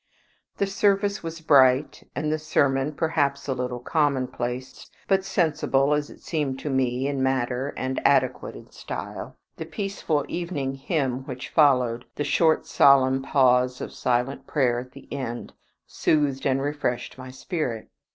The service was bright, and the sermon perhaps a little commonplace, but sensible as it seemed to me in matter, and adequate in style. The peaceful evening hymn which followed, the short solemn pause of silent prayer at the end, soothed and refreshed my spirit.